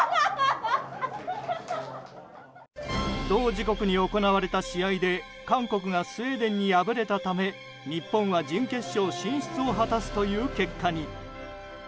同時刻に行われた試合で韓国がスウェーデンに敗れたため日本は準決勝進出を果たすという結果に。